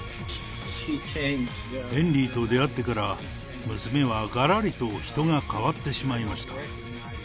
ヘンリーと出会ってから、娘はがらりと人が変わってしまいました。